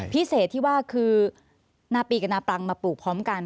พิเศษที่ว่าคือนาปีกับนาปรังมาปลูกพร้อมกัน